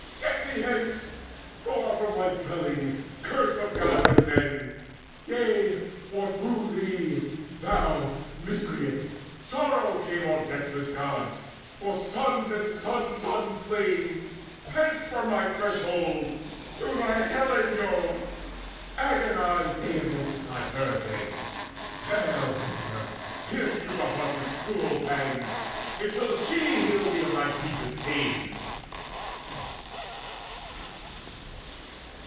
Get thee hence Far from my dwelling, curse of Gods and men! Yea, for through thee, thou miscreant, sorrow came On deathless Gods, for sons and sons' sons slain. Hence from my threshold! to thine Helen go! Agonize day and night beside her bed: There whimper, pierced to the heart with cruel pangs, Until she heal thee of thy grievous pain."